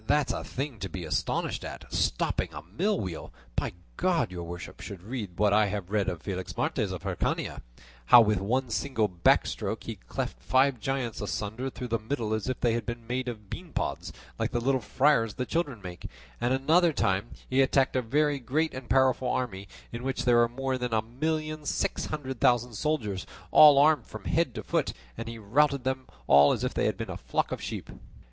"There's a thing to be astonished at! Stopping a mill wheel! By God your worship should read what I have read of Felixmarte of Hircania, how with one single backstroke he cleft five giants asunder through the middle as if they had been made of bean pods like the little friars the children make; and another time he attacked a very great and powerful army, in which there were more than a million six hundred thousand soldiers, all armed from head to foot, and he routed them all as if they had been flocks of sheep.